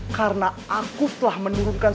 karena aku telah menurunkan